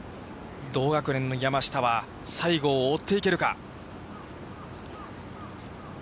同学年の山下は、西郷を追っていけるか。